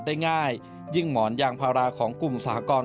ได้ง่ายยิ่งหมอนยางพาราของกลุ่มสหกร